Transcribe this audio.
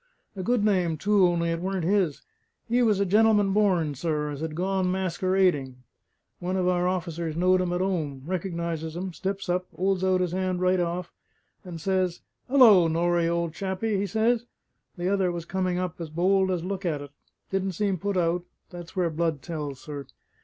"A good name too; only it weren't his. He was a gen'lem'n born, sir, as had gone maskewerading. One of our officers knowed him at 'ome, reckonises him, steps up, 'olds out his 'and right off, and says he: ''Ullo, Norrie, old chappie!' he says. The other was coming up, as bold as look at it; didn't seem put out that's where blood tells, sir!